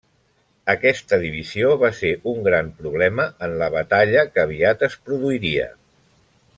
Aquesta divisió va ser un gran problema en la batalla que aviat es produiria.